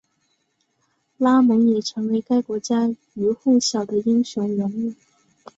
拉蒙也成为该国家喻户晓的英雄人物。